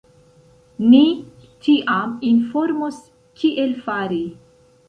Ni tiam informos kiel fari.